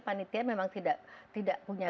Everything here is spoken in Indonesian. panitia memang tidak punya